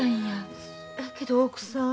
そやけど奥さん。